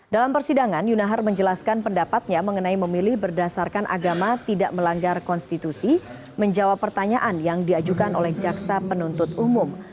dalam persidangan yunahar menjelaskan pendapatnya mengenai memilih berdasarkan agama tidak melanggar konstitusi menjawab pertanyaan yang diajukan oleh jaksa penuntut umum